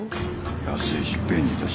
安いし便利だし。